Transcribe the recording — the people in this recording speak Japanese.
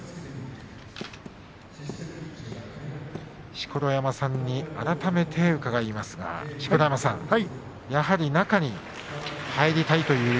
錣山さんに改めて伺いますがやはり中に入りたいという。